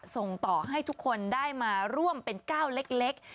ส่งต่อให้ทุกคนได้มาร่วมเป็นก้าวเล็ก